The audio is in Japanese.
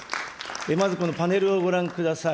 まずこのパネルをご覧ください。